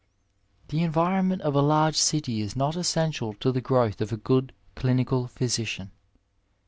The environment of a large city is not essential to the growth of a good clinical phjrsician.